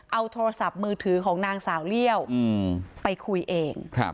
เอาโทรศัพท์มือถือของนางสาวเลี่ยวไปคุยเอง